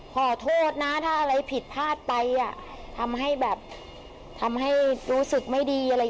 ขอโทษนะถ้าอะไรผิดพลาดไปอ่ะทำให้แบบทำให้รู้สึกไม่ดีอะไรอย่างนี้